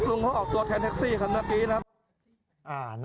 ลุงเขาออกตัวนะครับแทนท็กซี่วันนั้น